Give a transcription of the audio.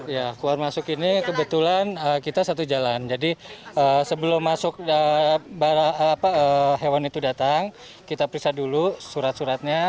ya keluar masuk ini kebetulan kita satu jalan jadi sebelum masuk hewan itu datang kita periksa dulu surat suratnya